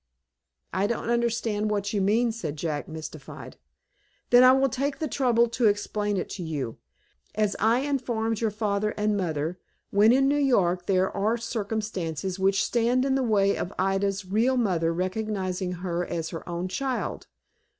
"I don't understand what you mean," said Jack, mystified. "Then I will take the trouble to explain it to you. As I informed your father and mother, when in New York, there are circumstances which stand in the way of Ida's real mother recognizing her as her own child.